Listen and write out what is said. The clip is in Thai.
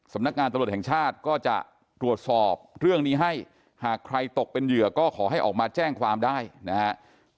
สำนักงานตำรวจแห่งชาติก็จะตรวจสอบเรื่องนี้ให้หากใครตกเป็นเหยื่อก็ขอให้ออกมาแจ้งความได้นะครับ